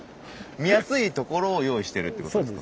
見やすいところを用意してるってことですか？